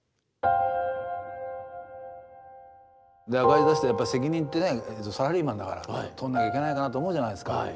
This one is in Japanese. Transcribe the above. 赤字出してやっぱり責任ってねサラリーマンだから取んなきゃいけないかなって思うじゃないですか。